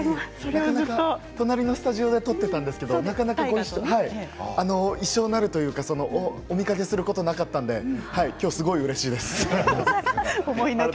なかなか隣のスタジオで撮っていたんですけど一緒になるというかお見かけすることなかったので今日すごいうれしいです。